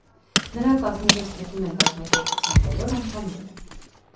Նրա կազմի մեջ մտնում են կազմակերպության բոլոր անդամները։